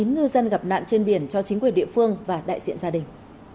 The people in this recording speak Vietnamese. chín ngư dân gặp nạn trên biển cho chính quyền địa phương và đại diện gia đình